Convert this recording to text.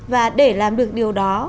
và để làm được điều đó